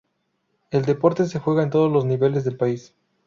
El deporte se juega en todos los niveles del país.